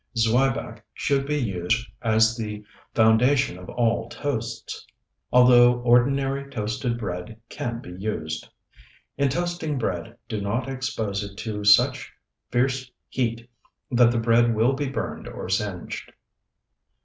Zwieback should be used as the foundation of all toasts, although ordinary toasted bread can be used. In toasting bread, do not expose it to such fierce heat that the bread will be burned or singed.